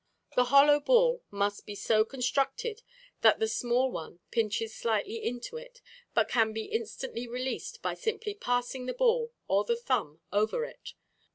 The hollow ball must be so constructed that the small one pinches slightly into it, but can be instantly released by simply passing the ball or the thumb over it.